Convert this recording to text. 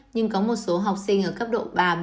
nhưng có một số học sinh ở cấp độ ba bốn